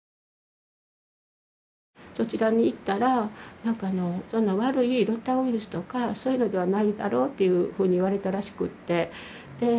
そちらに行ったら何か「悪いロタウイルスとかそういうのではないだろう」っていうふうに言われたらしくて。